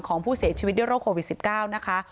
ของผู้เสียชีวิตด้วยโรคโควิด๑๙นะคะ